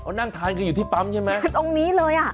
เขานั่งทานกันอยู่ที่ปั๊มใช่ไหมคือตรงนี้เลยอ่ะ